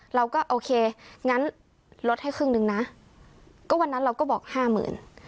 เราก็โอเคงั้นลดให้ครึ่งหนึ่งนะก็วันนั้นเราก็บอกห้าหมื่น